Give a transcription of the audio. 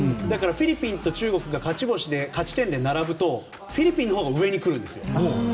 フィリピンと中国が勝ち点で並ぶとフィリピンのほうが上に来るんですよ。